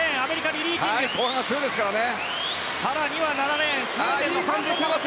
後半に強いですからね。